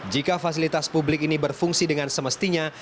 jika fasilitas publik ini berfungsi dengan semestinya